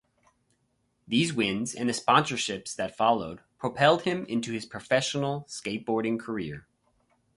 These wins, and the sponsorships that followed, propelled him into his professional skateboarding career.